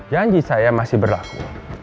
janji saya masih berlaku